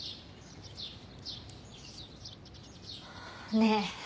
ねえ？